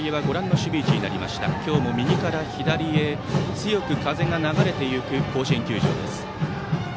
今日も右から左へ強く風が流れていく甲子園球場です。